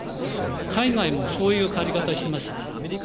海外もそういう変わり方をしていましたから。